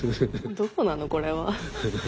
どこなのこれは。